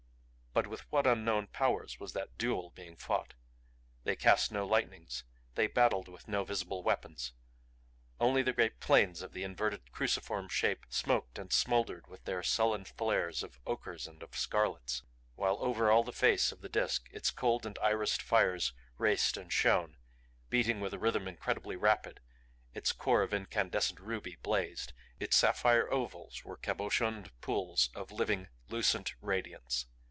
But with what unknown powers was that duel being fought? They cast no lightnings, they battled with no visible weapons. Only the great planes of the inverted cruciform Shape smoked and smoldered with their sullen flares of ochres and of scarlets; while over all the face of the Disk its cold and irised fires raced and shone, beating with a rhythm incredibly rapid; its core of incandescent ruby blazed, its sapphire ovals were cabochoned pools of living, lucent radiance.